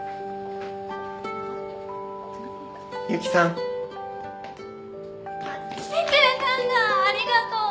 ユキさん。来てくれたんだありがとう！